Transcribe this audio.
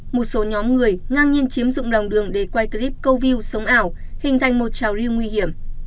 một số nhóm người ngang nhiên chiếm dụng lòng đường để quay clip câu view sống ảo hình thành một trào lưu nguy hiểm